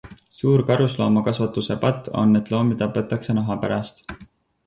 Suur karusloomakasvatuse patt on, et loomi tapetakse naha pärast.